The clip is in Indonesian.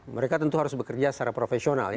mereka tentu harus bekerja secara profesional